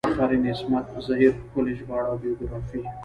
افرین عصمت زهیر ښکلي ژباړه او بیوګرافي